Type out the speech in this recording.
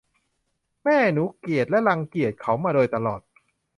แม่ หนูเกลียดและรังเกียจเขามาโดยตลอด